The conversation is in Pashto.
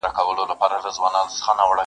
چي غوږونو ته مي شرنګ د پایل راسي!!